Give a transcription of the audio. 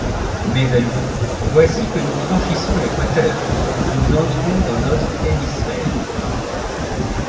Mes amis, voici que nous franchissons l’équateur! nous entrons dans notre hémisphère !